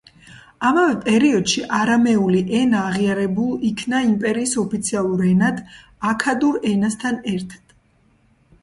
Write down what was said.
ამავე პერიოდში არამეული ენა აღიარებულ იქნა იმპერიის ოფიციალურ ენად, აქადურ ენასთან ერთად.